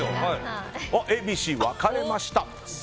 Ａ、Ｂ、Ｃ分かれました。